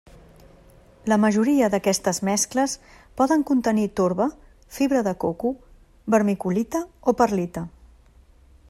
La majoria d’aquestes mescles poden contenir torba, fibra de coco, vermiculita o perlita.